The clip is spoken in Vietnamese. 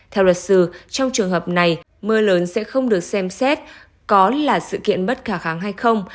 theo luật sư trong trường hợp này mưa lớn sẽ không được xem xét có là sự kiện bất khả kháng hay không